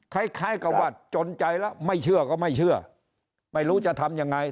คล้ายคล้ายกับว่าจนใจแล้วไม่เชื่อก็ไม่เชื่อไม่รู้จะทำยังไง